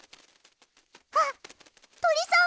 あっとりさん！